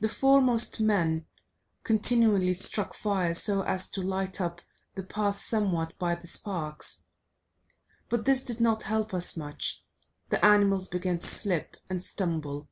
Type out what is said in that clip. The foremost man continually struck fire, so as to light up the path somewhat by the sparks. But this did not help us much, the animals began to slip and stumble.